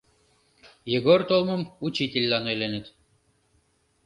Егор толмым учительлан ойленыт.